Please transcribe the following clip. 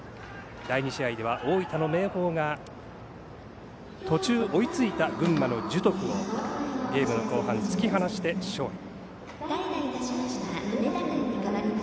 第２試合では大分の明豊が途中、追いついた群馬の樹徳をゲームの後半、突き放して勝利。